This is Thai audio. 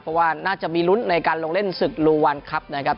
เพราะว่าน่าจะมีลุ้นในการลงเล่นศึกลูวันครับนะครับ